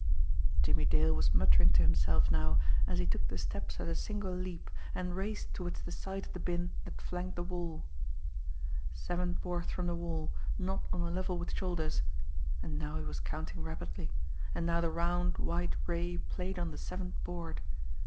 Jimmie Dale was muttering to himself now, as he took the steps at a single leap, and raced toward the side of the bin that flanked the wall "seventh board from the wall knot on a level with shoulders" and now he was counting rapidly and now the round, white ray played on the seventh board.